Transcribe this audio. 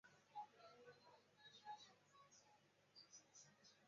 肉叶鞘蕊花为唇形科鞘蕊花属下的一个种。